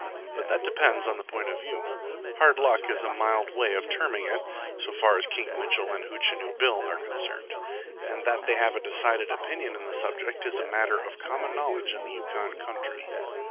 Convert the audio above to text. But that depends on the point of view. Hard luck is a mild way of terming it so far as Kink Mitchell and Hootchinoo Bill are concerned; and that they have a decided opinion on the subject is a matter of common knowledge in the Yukon country.